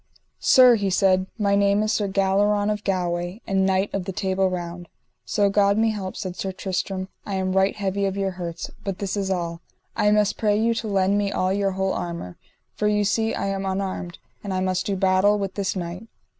Sir, he said, my name is Sir Galleron of Galway, and knight of the Table Round. So God me help, said Sir Tristram, I am right heavy of your hurts; but this is all, I must pray you to lend me all your whole armour, for ye see I am unarmed, and I must do battle with this knight.